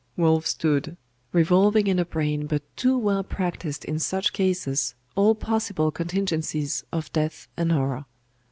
Wulf stood, revolving in a brain but too well practised in such cases, all possible contingencies of death and horror.